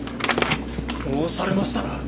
申されましたな！